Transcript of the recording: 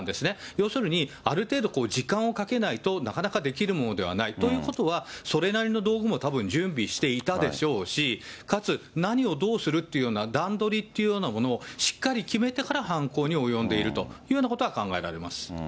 要するに、ある程度時間をかけないと、なかなかできるものではないということは、それなりの道具もたぶん準備していたでしょうし、かつ何をどうするっていうような段取りというようなものを、しっかり決めてから犯行に及んでいるというようなことは考えられます。